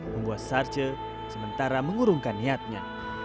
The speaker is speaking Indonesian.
membuat sarce sementara mengurungkan niatnya